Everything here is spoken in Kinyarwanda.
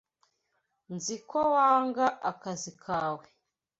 Nzi ko wanga akazi kawe.